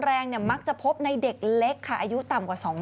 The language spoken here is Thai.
แรงมักจะพบในเด็กเล็กค่ะอายุต่ำกว่า๒๐